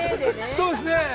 ◆そうですね。